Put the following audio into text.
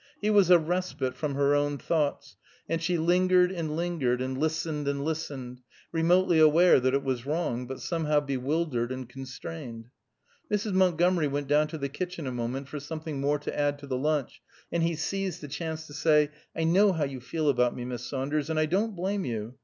He was a respite from her own thoughts, and she lingered and lingered, and listened and listened, remotely aware that it was wrong, but somehow bewildered and constrained. Mrs. Montgomery went down to the kitchen a moment, for something more to add to the lunch, and he seized the chance to say, "I know how you feel about me, Miss Saunders, and I don't blame you.